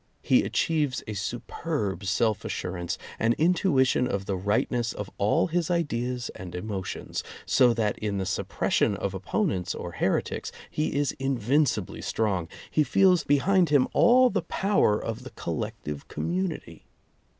He achieves a superb self assurance, an intuition of the Tightness of all his ideas and emotions, so that in the suppression of opponents or heretics he is invincibly strong; he feels behind him all the power of the collective community.